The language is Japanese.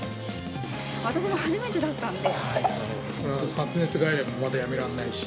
私も初めてだったので。